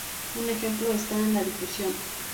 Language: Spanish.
Un ejemplo está en la difusión.